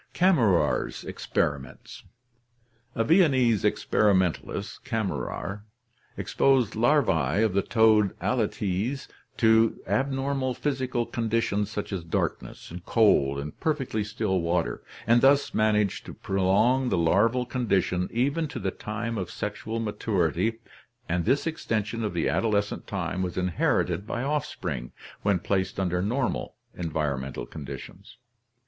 Kammerer's Experiments. — A Viennese experimentalist, Kam merer, exposed larvae of the toad Alytes to abnormal physical con ditions such as darkness, cold, and perfectly still water, and thus managed to prolong the larval condition even to the time of sexual maturity, and this extension of the adolescent time was inherited by offspring when placed under normal environmental conditions.